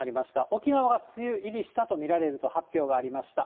沖縄が梅雨入りしたと見られると発表がありました。